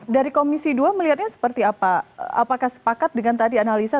dari komisi dua melihatnya seperti apa apakah sepakat dengan tadi analisa